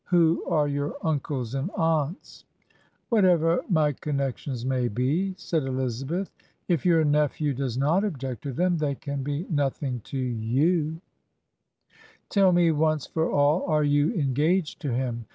Who are your uncles and aunts?' ... 'Whatever my connections may be/ said Elizabeth, 'if your nephew does not object to them, they can be nothing to you/ 'Tell me, once for all, are you en gaged to him?'